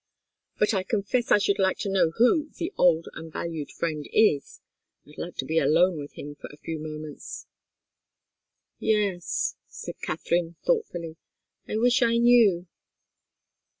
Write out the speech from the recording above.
But I confess I should like to know who the 'old and valued friend' is. I'd like to be alone with him for a few moments." "Yes," said Katharine, thoughtfully. "I wish I knew.